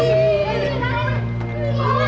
ini bau ini bau